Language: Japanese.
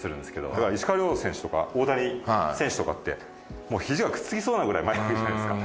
だから石川遼選手とか大谷選手とかってもう肘がくっつきそうなくらい前にくるじゃないですか。